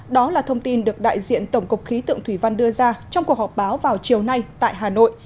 đó là thông tin được đại diện tổng cục khí tượng thủy văn đưa ra trong cuộc họp báo vào chiều nay tại hà nội